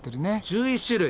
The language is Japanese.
１１種類？